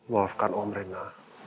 maafkan om rena